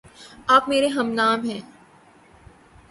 آپ میرے ہم نام ہےـ